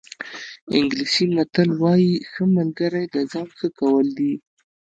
انګلیسي متل وایي ښه ملګری د ځان ښه کول دي.